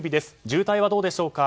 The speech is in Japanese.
渋滞はどうでしょうか。